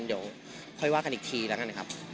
เดี๋ยวค่อยว่ากันอีกทีแล้วกันนะครับ